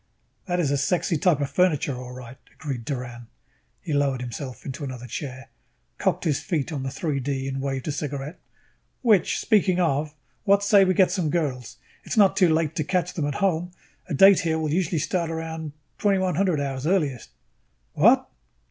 "That is a sexy type of furniture, all right," agreed Doran. He lowered himself into another chair, cocked his feet on the 3 D and waved a cigarette. "Which speaking of, what say we get some girls? It is not too late to catch them at home. A date here will usually start around 2100 hours earliest." "What?"